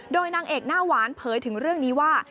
โดยนางเอกหน้าหวานเผยถึงเรื่องนี้ว่า